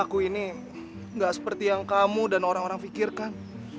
aku ini gak seperti yang kamu dan orang orang pikirkan